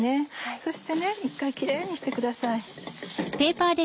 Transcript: そして一回キレイにしてください。